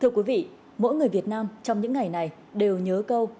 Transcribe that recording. thưa quý vị mỗi người việt nam trong những ngày này đều nhớ câu